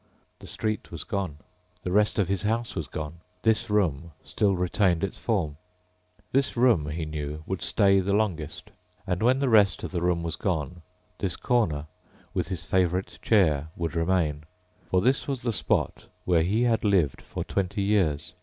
The street was gone. The rest of his house was gone. This room still retained its form. This room, he knew, would stay the longest. And when the rest of the room was gone, this corner with his favorite chair would remain. For this was the spot where he had lived for twenty years.